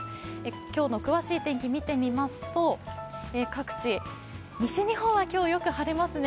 今日の詳しい天気、見ていきますと各地、西日本は今日よく晴れますね